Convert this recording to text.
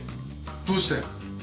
どうして？